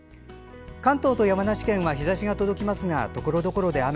関東と山梨県は日ざしが届きますがところどころで雨。